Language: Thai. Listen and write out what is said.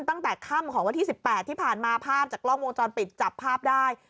ตั้งแต่ค่ำของวันที่๑๘ที่ผ่านมาภาพจากกล้องวงจรปิดจับภาพได้